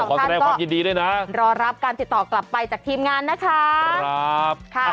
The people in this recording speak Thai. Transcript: ขอแสดงความยินดีด้วยนะข้อสำคัญก็รอรับการติดต่อกลับไปจากทีมงานนะคะครับ